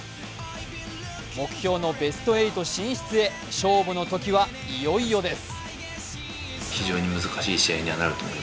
目標のベスト８進出へ勝負の時はいよいよです。